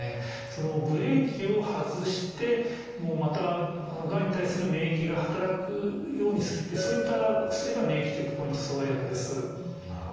そのブレーキを外してまたがんに対する免疫が働くようにするというそういったお薬が免疫チェックポイント阻害薬です。